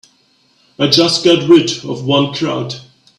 I just got rid of one crowd.